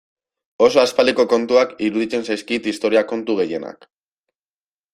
Oso aspaldiko kontuak iruditzen zaizkit historia kontu gehienak.